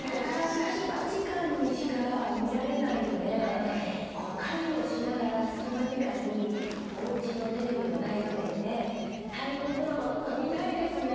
隙間時間にしか見られないので家事をしながら隙間時間におうちのテレビの大画面で大河ドラマとか見たいですね。